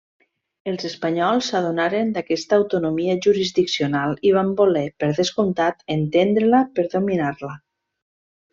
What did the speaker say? Els espanyols s'adonaren d'aquesta autonomia jurisdiccional i van voler, per descomptat, entendre-la per dominar-la.